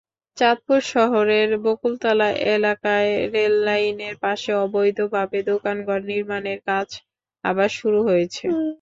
চাঁদপুর শহরের বকুলতলা এলাকায় রেললাইনের পাশে অবৈধভাবে দোকানঘর নির্মাণের কাজ আবার শুরু হয়েছে।